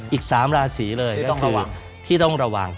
อีก๓ราศรีเลยก็คือที่ต้องระวัง